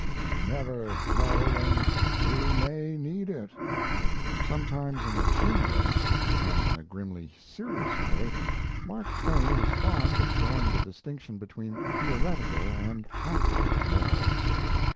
You never know when you may need it." Sometimes in a humorous, sometimes in a grimly serious way, Mark Twain was fond of drawing the distinction between theoretical and practical morals.